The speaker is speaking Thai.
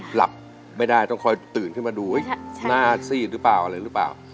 หลับไม่ได้ต้องคอยตื่นขึ้นมาดูหรือเปล่า